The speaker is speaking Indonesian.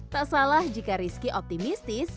tak salah jika rizky optimistis